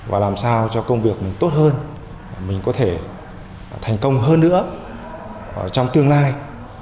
và làm sao cho công việc mình tốt hơn mình có thể thành công hơn nữa trong tương lai